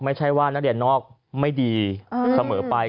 ไม่ใช่ว่านักเรียนนอกไม่ดีเสมอไป